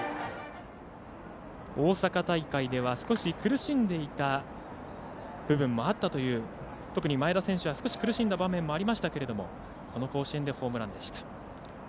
大阪大会では少し苦しんでいた部分もあったという特に前田選手は少し苦しんだ場面もありましたがこの甲子園でホームランでした。